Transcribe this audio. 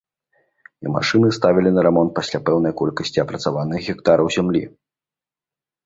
І машыны ставілі на рамонт пасля пэўнай колькасці апрацаваных гектараў зямлі.